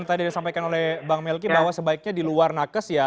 yang tadi saya sampaikan oleh bang melky bahwa sebaiknya di luar nakes ya